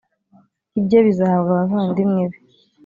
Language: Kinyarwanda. ibye bizahabwa abavandimwe be.